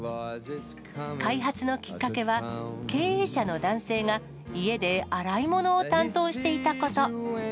開発のきっかけは、経営者の男性が家で洗い物を担当していたこと。